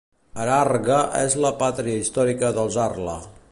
Hararghe és la pàtria històrica dels Harla.